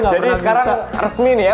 jadi sekarang resmi nih ya